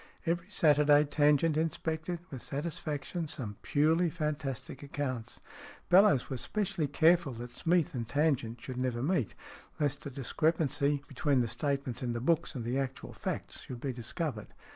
Every Saturday Tangent inspected, with satisfaction, some purely fantastic accounts. Bellowes was specially careful that Smeath and Tangent should never meet, lest the discrepancy between the statements in the books and the actual facts should be discovered.